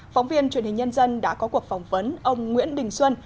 phóng viên truyền hình nhân dân đã có cuộc phỏng vấn ông nguyễn đình xuân